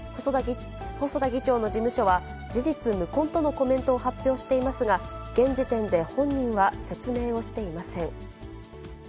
細田議長の事務所は、事実無根とのコメントを発表していますが、現時点で本人は説明をしていません。